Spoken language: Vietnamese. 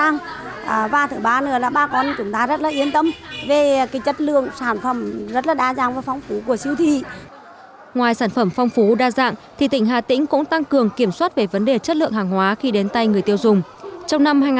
ngoài sản phẩm phong phú đa dạng thì tỉnh hà tĩnh cũng tăng cường kiểm soát về vấn đề chất lượng hàng hóa khi đến tay người tiêu dùng